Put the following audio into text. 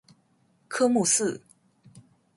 科目四